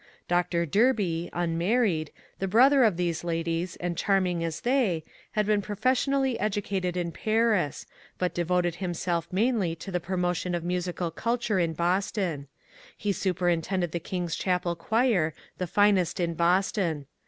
Dr. Derby (unmarried), the brother of these ladies, and charming as they, had been professionally educated in Paris, but devoted himself mainly to the promo tion of musical culture in Boston ; he superintended the King's Chapel choir, the finest in Boston.